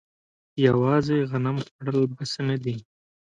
یوازې غنم خوړل بس نه دي.